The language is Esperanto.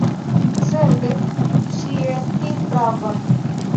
Certe, ŝi estis prava.